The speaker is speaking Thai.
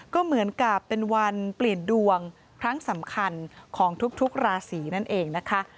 ก็เหมือนกับเป็นวันเปลี่ยนดวงครั้งสำคัญของทุกราศีนั่นเองนะคะ